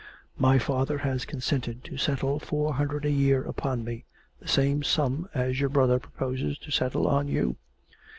My father has consented to settle four hundred a year upon me, the same sum as your brother proposes to settle on you.